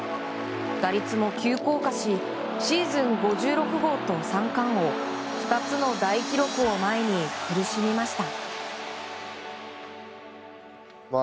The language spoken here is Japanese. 打率も急降下しシーズン５６号と三冠王２つの大記録を前に苦しみました。